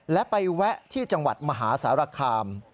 และไปแวะที่จังหวัดมหาสารคาม